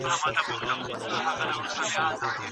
د ګډو سندرو اورېدل بدن د ناروغیو پر وړاندې چمتو کوي.